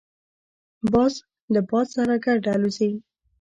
باز له باد سره ګډ الوزي